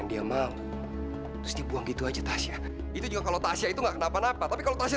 sampai jumpa di video selanjutnya